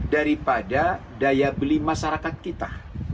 daripada daya beli masyarakat kita